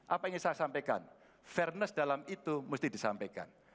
apa yang ingin saya sampaikan fairness dalam itu mesti disampaikan